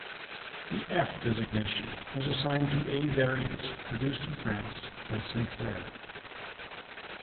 The F designation was assigned to A variants produced in France by Centrair.